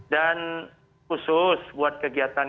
dan khusus buat kegiatan